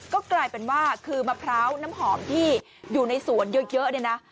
ก็กลายเป็นว่าคือมะพร้าวน้ำหอมที่อยู่ในสวนเยอะเนี่ยนะ